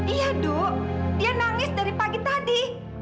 iya dok dia nangis dari pagi tadi